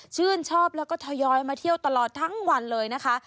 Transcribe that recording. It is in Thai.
ชื่นชอบแล้วก็ทยอยมาเที่ยวตลอดทั้งวันเลยนะคะ